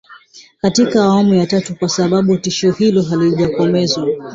katika awamu ya tatu kwa sababu tishio hilo halijatokomezwa